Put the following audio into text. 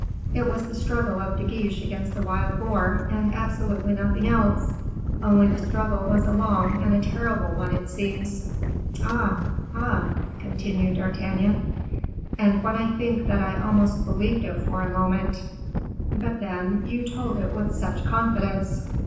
It was the struggle of De Guiche against the wild boar, and absolutely nothing else; only the struggle was a long and a terrible one, it seems." "Ah! ah!" continued D'Artagnan. "And when I think that I almost believed it for a moment but, then, you told it with such confidence."